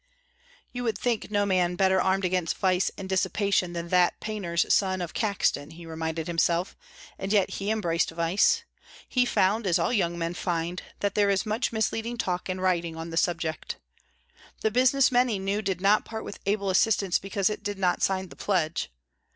"You would think no man better armed against vice and dissipation than that painter's son of Caxton," he reminded himself, "and yet he embraced vice. He found, as all young men find, that there is much misleading talk and writing on the subject. The business men he knew did not part with able assistance because it did not sign the pledge.